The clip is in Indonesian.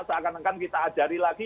seakan akan kita ajari lagi